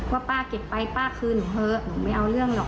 ว่าป้าเก็บไปป้าคืนหนูเถอะหนูไม่เอาเรื่องหรอก